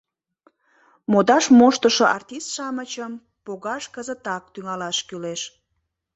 Модаш моштышо артист-шамычым погаш кызытак тӱҥалаш кӱлеш.